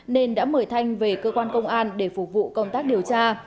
nên đã mời thanh về cơ quan công an để phục vụ công tác điều tra